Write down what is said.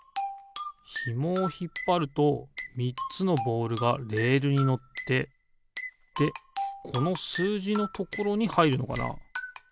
ひもをひっぱると３つのボールがレールにのってでこのすうじのところにはいるのかな？